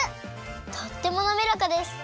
とってもなめらかです！